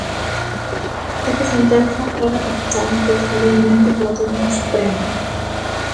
Esta sentenza foi ratificada posteriormente polo Tribunal Supremo.